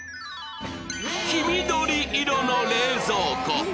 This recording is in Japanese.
黄緑色の冷蔵庫